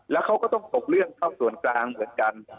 แล้วเขาก็ต้องตกเรื่องเข้าส่วนกลางเหมือนกัน